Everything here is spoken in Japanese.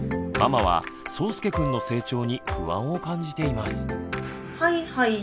ママはそうすけくんの成長に不安を感じています。